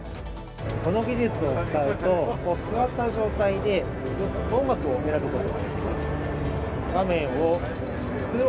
この技術を使うと、座った状態で音楽を選ぶことができます。